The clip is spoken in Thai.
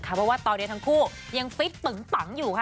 เพราะว่าตอนนี้ทั้งคู่ยังฟิตปึงปังอยู่ค่ะ